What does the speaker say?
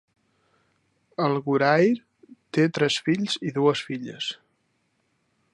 Al Ghurair té tres fills i dues filles.